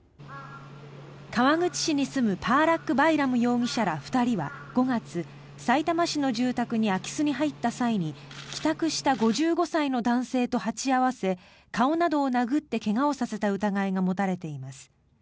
川口市に住むパーラック・バイラム容疑者ら２人は５月さいたま市の住宅に空き巣に入った際に帰宅した５５歳の男性と鉢合わせ顔などを殴って怪我をさせた疑いが持たれています。